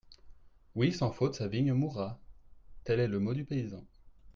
Oui, sans faute sa vigne mourra.» Tel est le mot du paysan.